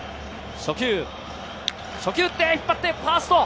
初球打って引っ張ってファースト。